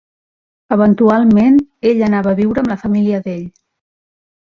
Eventualment, ella anava a viure amb la família d'ell.